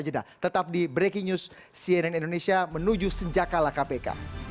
kita tetap di breaking news cnn indonesia menuju senjata lakapk